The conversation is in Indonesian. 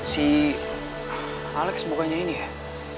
si alex bukannya ini ya